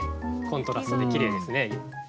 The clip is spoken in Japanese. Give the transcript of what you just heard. コントラストできれいですね。